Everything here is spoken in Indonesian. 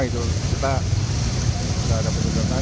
kita tidak dapat menjendera